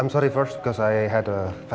maaf dulu karena ada isu keluarga